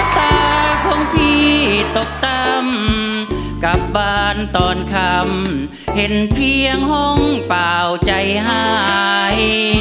คนรักจากราตอนชะตาของพี่ตกตำกลับบ้านตอนคำเห็นเพียงห้องเปล่าใจหาย